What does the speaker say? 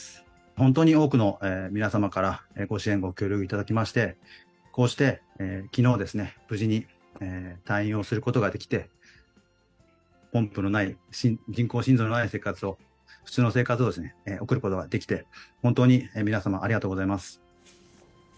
本当に多くの皆様からご支援、ご協力をいただきまして、こうしてきのうですね、無事に退院をすることができて、ポンプのない、人工心臓のない生活を、普通の生活をですね、送ることができて、本当に皆様、ありがとうございます。